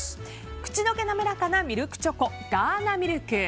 口溶け滑らかなミルクチョコガーナミルク。